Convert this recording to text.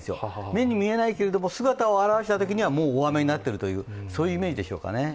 目に見えないけれども、姿を現したときにはもう大雨になっているというイメージでしょうかね。